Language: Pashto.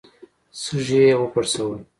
سږي يې وپړسول.